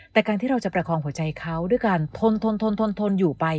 แต่การที่เราจะประคองหัวใจเขาด้วยการทนทนอยู่ไป